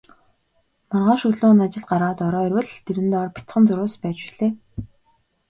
Маргааш өглөө нь ажилд гараад орой ирвэл дэрэн доор бяцхан зурвас байж билээ.